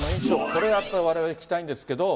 これやっぱりわれわれ聞きたいんですけれども。